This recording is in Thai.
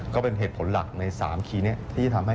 ก็เป็นเหตุผลหลักที่จะทำให้